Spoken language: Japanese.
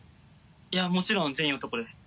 いやもちろん全員男です。